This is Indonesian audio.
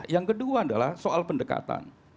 yang kedua adalah soal pendekatan